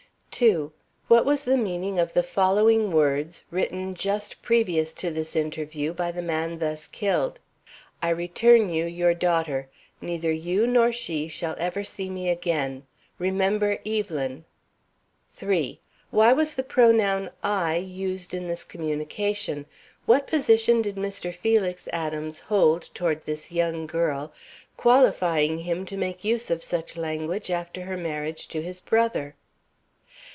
2. What was the meaning of the following words, written just previous to this interview by the man thus killed: "I return you your daughter. Neither you nor she shall ever see me again. Remember Evelyn!" 3. Why was the pronoun "I" used in this communication? What position did Mr. Felix Adams hold toward this young girl qualifying him to make use of such language after her marriage to his brother?